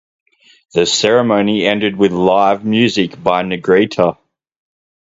The ceremony ended with live music by Negrita.